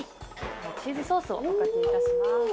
チーズソースをおかけいたします。